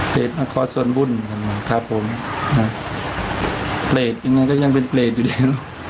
เปรตอัคคอร์สส่วนบุญนะครับครับผมเปรตยังไงก็ยังเป็นเปรตอยู่ดี